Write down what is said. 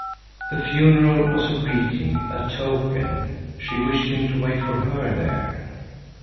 The funeral was a greeting, a token. She wished him to wait for her there.